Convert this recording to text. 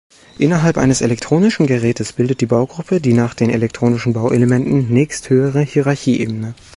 Innerhalb eines elektronischen Gerätes bildet die Baugruppe die nach den elektronischen Bauelementen nächsthöhere Hierarchieebene.